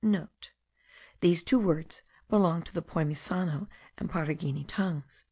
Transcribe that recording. *(* These two words belong to the Poimisano and Paragini tongues.)